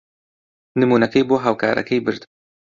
نموونەکەی بۆ هاوکارەکەی برد.